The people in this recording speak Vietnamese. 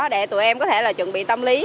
để tụi em có thể chuẩn bị tâm lý